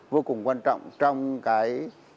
vô cùng quan trọng trong cái